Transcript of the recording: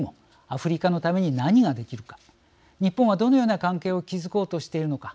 アフリカのために何ができるか日本は、どのような関係を築こうとしているのか